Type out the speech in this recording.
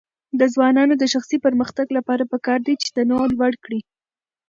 د ځوانانو د شخصي پرمختګ لپاره پکار ده چې تنوع لوړ کړي.